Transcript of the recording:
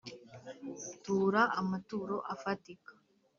tura amaturo afatika